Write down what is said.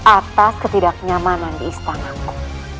atas ketidaknyamanan di istanaku